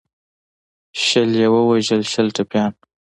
شل یې ووژل شل ټپیان.